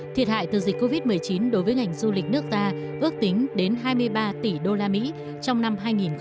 thiệt hại từ dịch covid một mươi chín đối với ngành du lịch nước ta ước tính đến hai mươi ba tỷ usd trong năm hai nghìn hai mươi